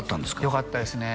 よかったですね